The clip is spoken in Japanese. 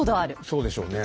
そうでしょうね。